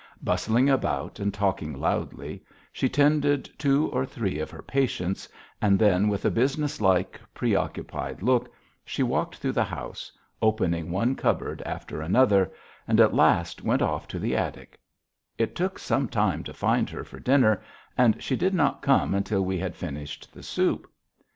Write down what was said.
Bustling about and talking loudly, she tended two or three of her patients, and then with a businesslike, preoccupied look she walked through the house, opening one cupboard after another, and at last went off to the attic; it took some time to find her for dinner and she did not come until we had finished the soup.